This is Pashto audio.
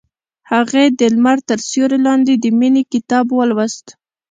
هغې د لمر تر سیوري لاندې د مینې کتاب ولوست.